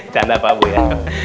canda pak bu ya